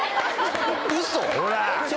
ウソ。